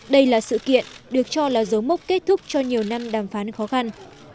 đây là sự kiện được cho là dấu mốc kết thúc cho nhiều năm đàm phán khó khăn